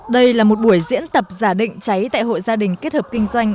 đây là một buổi diễn tập giả định cháy tại hội gia đình kết hợp kinh doanh